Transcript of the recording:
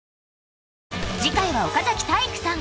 次回は岡崎体育さん